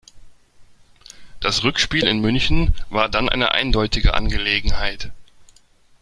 Das Rückspiel in München war dann eine eindeutige Angelegenheit.